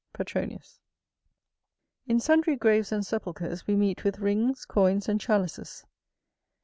Petron. In sundry graves and sepulchres we meet with rings, coins, and chalices.